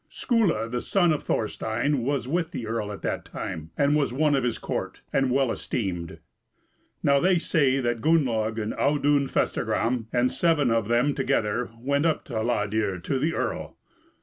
Skuli, the son of Thorstein, was with the earl at that time, and was one of his court, and well esteemed. Now they say that Gunnlaug and Audun Festargram, and seven of them together, went up to Hladir to the earl.